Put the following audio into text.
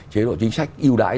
chế độ chính sách yêu đái